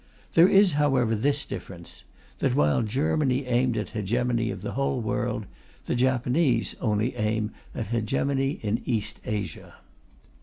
There is, however, this difference, that, while Germany aimed at hegemony of the whole world, the Japanese only aim at hegemony in Eastern Asia.